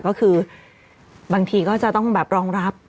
ก็คือบางทีก็จะต้องแบบรองรับ